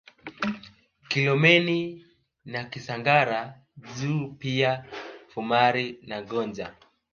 Kilomeni na Kisangara juu pia Vumari na Gonja